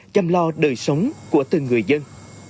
chăm lo đời sống của từng người dân